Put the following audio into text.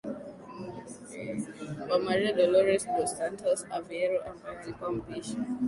Wa Maria Dolores dos Santos Aveiro ambaye alikuwa mpishi